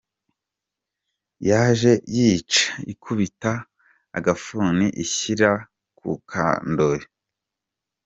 Yaje yica, ikubita agafuni, ishyira ku kandoyi.